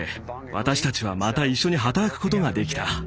私たちはまた一緒に働くことができた。